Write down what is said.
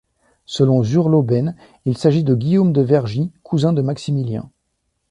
Selon Zur-Lauben il s'agit de Guillaume de Vergy, cousin de Maximilien.